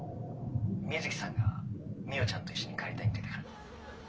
水木さんがみよちゃんと一緒に帰りたいみたいだから」。